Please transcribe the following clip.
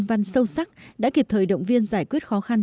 nhân văn sâu sắc đã kịp thời động viên giải quyết khó khăn